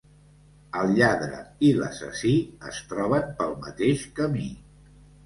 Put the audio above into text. El lladre i l'assassí es troben pel mateix camí.